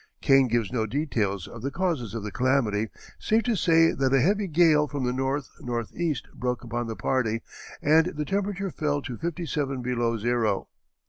Kane gives no details of the causes of the calamity save to say that "a heavy gale from the north northeast broke upon the party, and the temperature fell to fifty seven below zero."